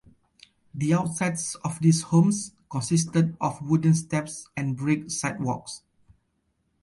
The outsides of these homes consisted of wooden steps and brick sidewalks.